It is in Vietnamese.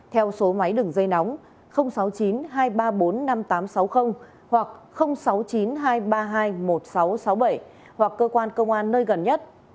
theo số máy đường dây nóng sáu mươi chín hai trăm ba mươi bốn năm nghìn tám trăm sáu mươi hoặc sáu mươi chín hai trăm ba mươi hai một nghìn sáu trăm sáu mươi bảy hoặc cơ quan công an nơi gần nhất